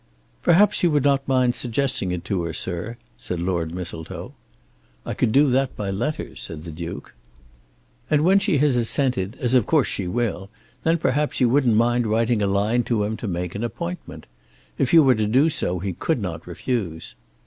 "Perhaps you would not mind suggesting it to her, sir," said Lord Mistletoe. "I could do that by letter," said the Duke. "And when she has assented, as of course she will, then perhaps you wouldn't mind writing a line to him to make an appointment. If you were to do so he could not refuse."